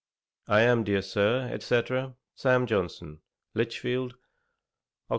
I am, dear Sir, &c. SAM. JOHNSON. Lichfield, Oct.